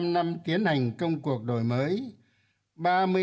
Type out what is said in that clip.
bảy mươi năm năm tiến hành công cuộc đổi mới